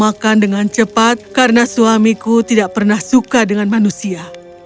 makan dengan cepat karena suamiku tidak pernah suka dengan manusia